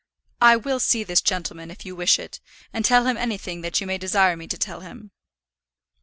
I will see this gentleman if you wish it, and tell him anything that you may desire me to tell him."